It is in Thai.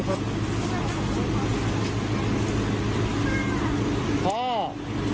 บ๊ายบายได้ครับพี่